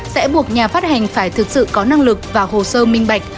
sẽ buộc nhà phát hành phải thực sự có năng lực và hồ sơ minh bạch